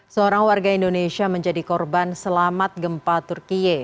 seorang warga indonesia menjadi korban selamat gempa turkiye